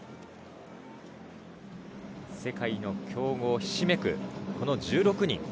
世界の強豪ひしめく１６人。